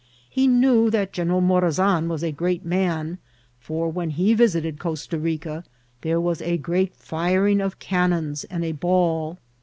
He knew that General Morazan was a great man, for when be visited Costa Rica there was a great firing of cannons and a ball.